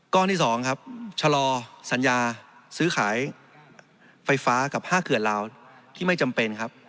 ก้อนที่สองชะลอสัญญาซื้อขายไฟฟ้ากับภาคเกือบราวที่ไม่จำเป็น